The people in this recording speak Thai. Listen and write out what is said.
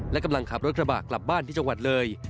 และกำลังขับรถกระบะกลับบ้านที่จังหวัดเลย